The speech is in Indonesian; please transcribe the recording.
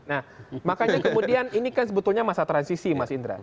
nah makanya kemudian ini kan sebetulnya masa transisi mas indra